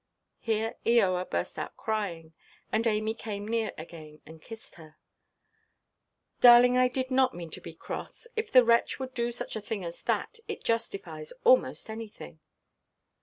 Here Eoa burst out crying, and Amy came near again and kissed her. "Darling, I did not mean to be cross; if the wretch would do such a thing as that, it justifies almost anything."